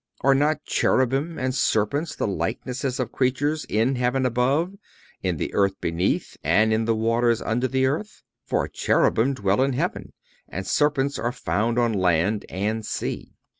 Are not cherubim and serpents the likenesses of creatures in heaven above, in the earth beneath and in the waters under the earth? for cherubim dwell in heaven and serpents are found on land and sea.